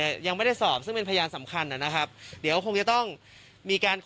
พยานที่พูดหมดเนี่ยค่ะเป็นพยานที่อยู่ในส่วนไหนของเหตุการณ์นะคะ